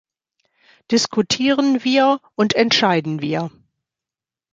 Diskutieren wir und entscheiden wir.